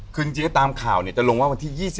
คือจริงตามข่าวจะลงว่าวันที่๒๕